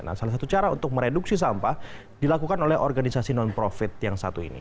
nah salah satu cara untuk mereduksi sampah dilakukan oleh organisasi non profit yang satu ini